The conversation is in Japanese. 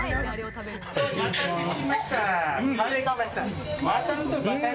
お待たせしました。